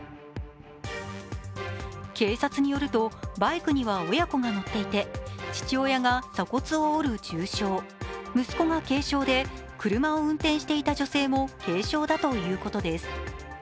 警察によると、バイクには親子が乗っていて父親が鎖骨を折る重傷、息子が軽傷で車を運転していた女性も軽傷だということです。